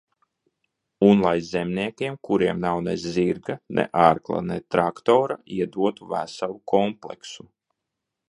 Un lai zemniekiem, kuriem nav ne zirga, ne arkla, ne traktora, iedotu veselu kompleksu.